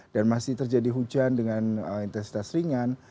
dan masih terjadi hujan dengan intensitas ringan